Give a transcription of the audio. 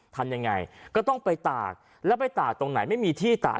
ทำยังไงก็ต้องไปตากแล้วไปตากตรงไหนไม่มีที่ตาก